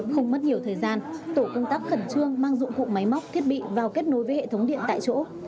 không mất nhiều thời gian tổ công tác khẩn trương mang dụng cụ máy móc thiết bị vào kết nối với hệ thống điện tại chỗ